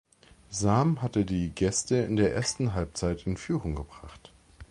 Sahm hatte die Gäste in der ersten Halbzeit in Führung gebracht.